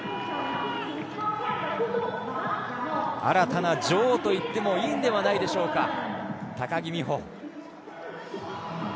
新たな女王といってもいいのではないでしょうか。